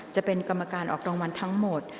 จะเป็นกรรมการออกรางวัลทั้งหมด